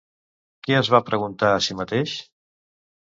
Què es va preguntar a si mateix?